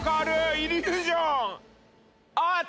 イリュージョン！